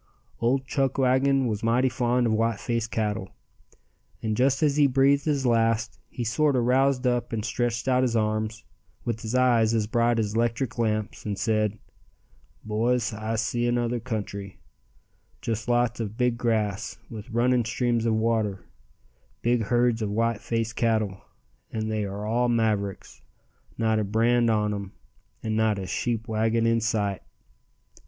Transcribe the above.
Old Chuckwagon was mighty fond of white faced cattle, and just as he breathed his last he sorter roused up and stretched out his arms, with his eyes as bright as 'lectric lamps, and said: "Boys, I see another country, just lots of big grass, with running streams of water, big herds of white face cattle, and they are all mavericks, not a brand on 'em, and not a sheep wagon in sight."